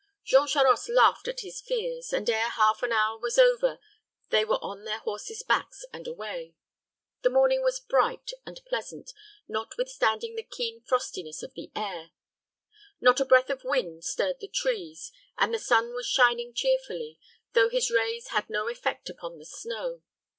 Jean Charost laughed at his fears, and ere half an hour was over they were on their horses' backs and away. The morning was bright and pleasant, notwithstanding the keen frostiness of the air. Not a breath of wind stirred the trees, and the sun was shining cheerfully, though his rays had no effect upon the snow.